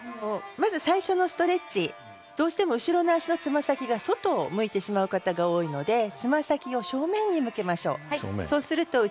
最初のストレッチどうしても後ろの足のつま先が外を向いてしまう方が多いので正面を向きましょう。